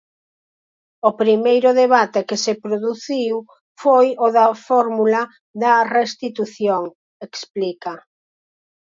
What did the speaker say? "O primeiro debate que se produciu foi o da fórmula da restitución", explica.